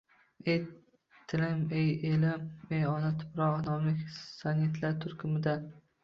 Ey, tilim, Ey, elim, Ey, ona tuproq» nomli sonetlar turkumidan